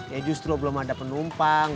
ya justru belum ada penumpang